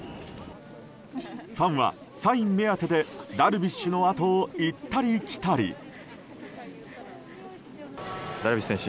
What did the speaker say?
ファンはサイン目当てでダルビッシュのあとを行ったり来たり。ダルビッシュ選手